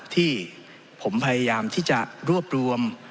ที่ผมพยายามที่จะรวบรวม